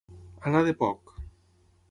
Anar de poc.